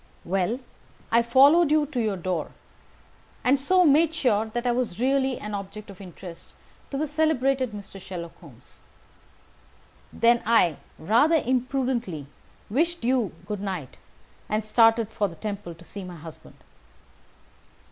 "Well, I followed you to your door, and so made sure that I was really an object of interest to the celebrated Mr. Sherlock Holmes. Then I, rather imprudently, wished you good night, and started for the Temple to see my husband.